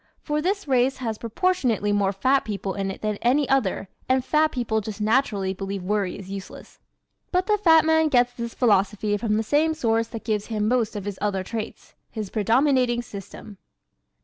For this race has proportionately more fat people in it than any other and fat people just naturally believe worry is useless. But the fat man gets this philosophy from the same source that gives him most of his other traits his predominating system.